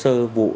hồ sơ vụ